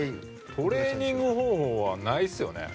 トレーニング方法はないですよね。